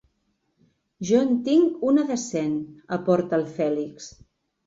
Jo en tinc una de cent —aporta el Fèlix.